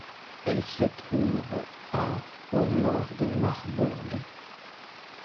Elle se trouve à au nord de Marbourg.